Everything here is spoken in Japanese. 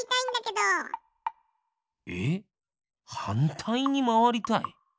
えっはんたいにまわりたい？